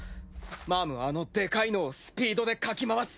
マァムはあのでかいのをスピードでかき回す。